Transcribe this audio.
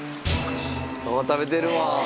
食べてるわ。